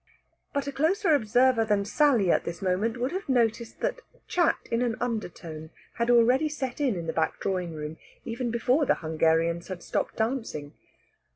But a closer observer than Sally at this moment would have noticed that chat in an undertone had already set in in the back drawing room even before the Hungarians had stopped dancing.